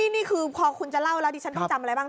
นี่คือพอคุณจะเล่าแล้วดิฉันต้องจำอะไรบ้าง